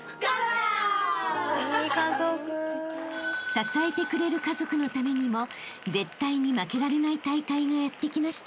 ［支えてくれる家族のためにも絶対に負けられない大会がやってきました］